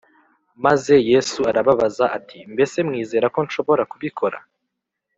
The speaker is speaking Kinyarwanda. maze Yesu arababaza ati mbese mwizera ko nshobora kubikora